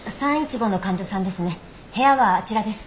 部屋はあちらです。